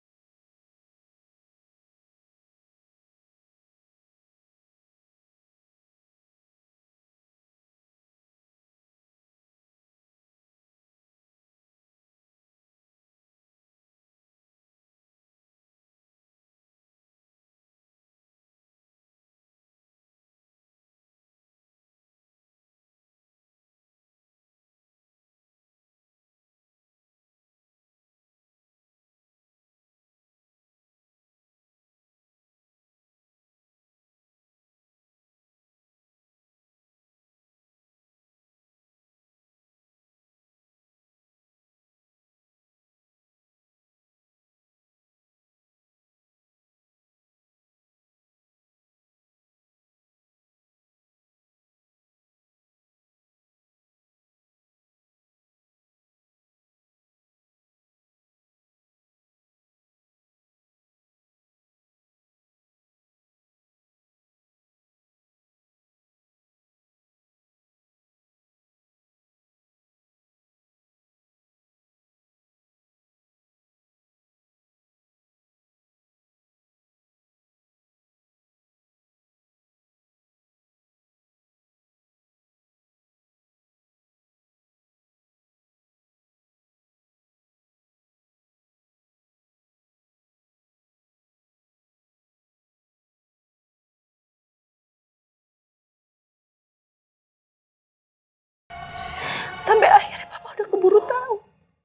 hai sampai akhirnya udah keburu tahu